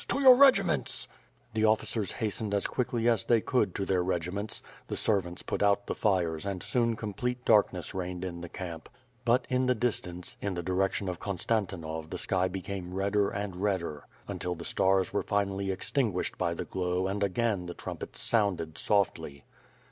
To your regiments!" The officers hastened as quickly as they could to their regi ments, the servants put out the fires and soon complete dark jyg ^^^^^^^^^^^ fifTFOiJD. ness reigned in the camp. But in the distance, in the di rection of Konstantinov the sky became redder and redder until the stars were finally extinguished by the glow and again the trumpets sounded softly.